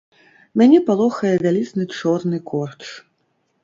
Мяне палохае вялізны чорны корч.